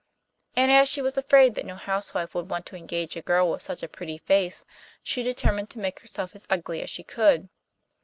And as she was afraid that no housewife would want to engage a girl with such a pretty face, she determined to make herself as ugly as she could.